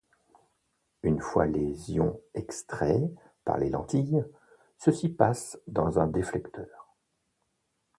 Une fois les ions extraits par les lentilles, ceux-ci passent dans un déflecteur.